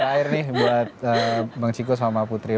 cair nih buat bang ciko sama putri